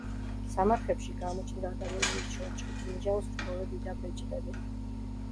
სამარხებში გამოჩნდა ადამიანის ჩონჩხი, ბრინჯაოს რგოლები და ბეჭდები.